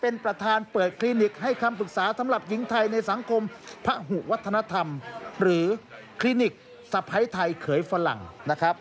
ในสังคมพระหุวัฒนธรรมหรือคลินิกสะพ้ายไทยเขยฝรั่งนะครับ